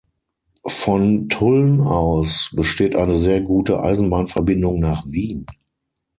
Von Tulln aus besteht eine sehr gute Eisenbahnverbindung nach Wien.